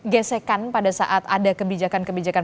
gesekan pada saat ada kebijakan kebijakan